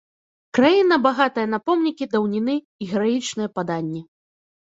Краіна, багатая на помнікі даўніны і гераічныя паданні.